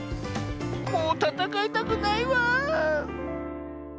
もうたたかいたくないワーン」。